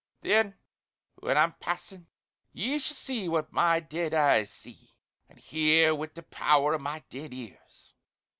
Then, when I'm passin' ye shall see what my dead eyes see; and hear wi' the power o' my dead ears.